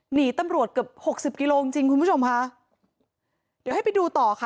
หนีตำรวจเกือบหกสิบกิโลจริงจริงคุณผู้ชมค่ะเดี๋ยวให้ไปดูต่อค่ะ